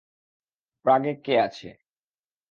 প্রাগে কে আছে?